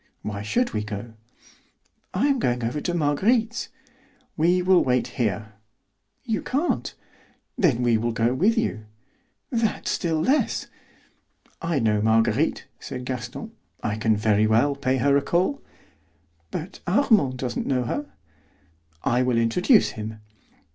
"Why should we go?" "I am going over to Marguerite's." "We will wait here." "You can't." "Then we will go with you." "That still less." "I know Marguerite," said Gaston; "I can very well pay her a call." "But Armand doesn't know her." "I will introduce him."